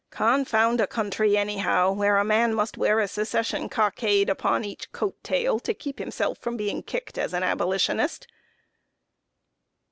Confound a country, anyhow, where a man must wear a Secession cockade upon each coat tail to keep himself from being kicked as an Abolitionist!"